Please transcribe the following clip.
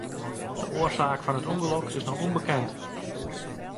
De oarsaak fan it ûngelok is noch ûnbekend.